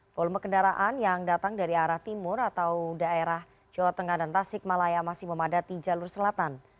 volume kendaraan yang datang dari arah timur atau daerah jawa tengah dan tasik malaya masih memadati jalur selatan